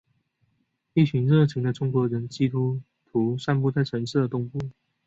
一小群热情的中国人基督徒散布在城市的东部。